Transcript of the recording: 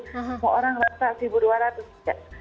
semua orang rata seribu dua ratus tidak